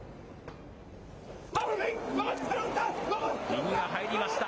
右が入りました。